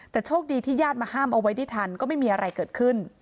แต่โชคดีที่ญาติมาห้ามเอาไว้ได้ทันก็ไม่มีอะไรเกิดขึ้น